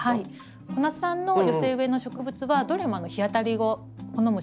小夏さんの寄せ植えの植物はどれも日当たりを好む